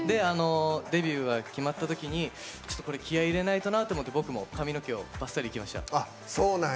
デビュー決まったとき気合い入れないとなと思って僕も髪の毛をばっさりいきました。